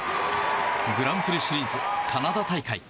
グランプリシリーズカナダ大会。